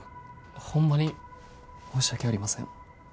ホンマに申し訳ありません。